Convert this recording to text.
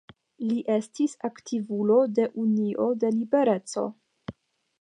Li estis aktivulo de Unio de Libereco.